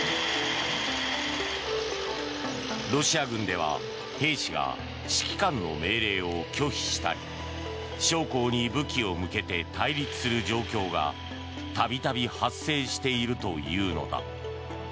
ロシア軍では兵士が指揮官の命令を拒否したり将校に武器を向けて対立する状況が度々発生しているというのだ。